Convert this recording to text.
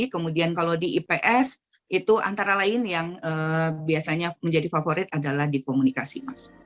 kemudian kalau di ips itu antara lain yang biasanya menjadi favorit adalah di komunikasi mas